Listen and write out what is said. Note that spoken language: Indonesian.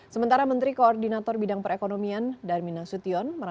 sementara menteri koordinator bidang perekonomian darmina sution